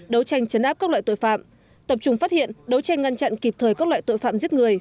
đấu tranh chấn áp các loại tội phạm tập trung phát hiện đấu tranh ngăn chặn kịp thời các loại tội phạm giết người